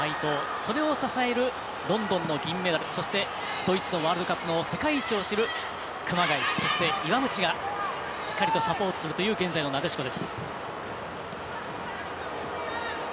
それを支えるロンドンの銀メダルそしてドイツのワールドカップの世界一を知る熊谷そして、岩渕がしっかりとサポートするという現在のなでしこです。